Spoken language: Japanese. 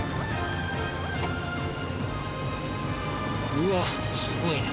うわっすごいな。